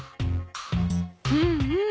うんうん。